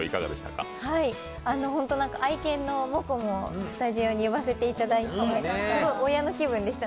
愛犬のモコもスタジオに呼ばせていただいて、すごい親の気分でした。